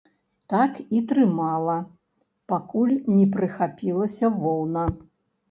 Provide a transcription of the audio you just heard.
Так і трымала, пакуль не прыхапілася воўна.